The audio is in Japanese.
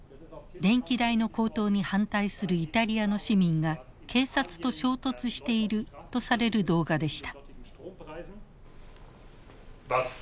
電気代の高騰に反対するイタリアの市民が警察と衝突しているとされる動画でした。